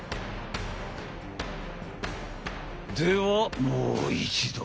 ではもう一度。